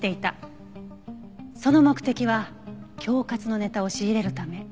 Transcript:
その目的は恐喝のネタを仕入れるため。